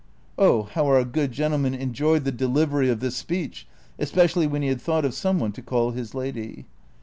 " Oh, how our good gentleman enjoyed the delivery of this speech, especially when he had thought of some one to call his Lady